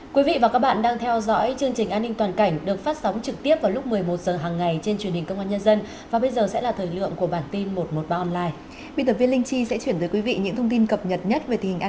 các bạn hãy đăng ký kênh để ủng hộ kênh của chúng mình nhé